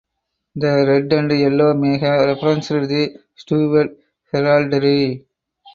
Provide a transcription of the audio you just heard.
The red and yellow may have referenced the Stewart heraldry.